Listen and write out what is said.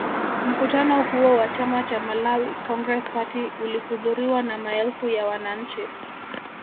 Mkutano huo wa chama cha Malawi Congress Party ulihudhuriwa na maelfu ya wananchi